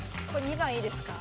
２番いいですか？